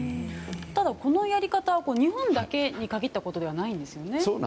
ただ、このやり方は日本だけに限ったことではないんですよね。